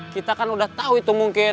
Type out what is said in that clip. kita kan udah tahu itu mungkin